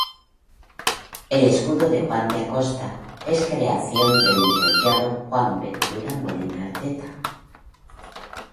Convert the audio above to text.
El escudo de Juan de Acosta es creación del licenciado Juan Ventura Molina Arteta.